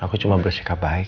aku cuma bersikap baik